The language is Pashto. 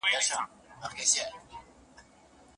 حکومت بايد د انسانانو د قاچاق مخنيوی وکړي.